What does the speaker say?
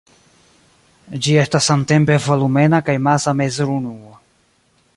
Ĝi estas samtempe volumena kaj masa mezurunuo.